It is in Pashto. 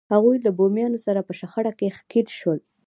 هغوی له بومیانو سره په شخړه کې ښکېل شول.